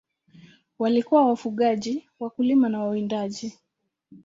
Walikuwa wafugaji, wakulima na wawindaji.